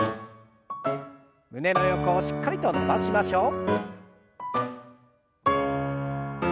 胸の横をしっかりと伸ばしましょう。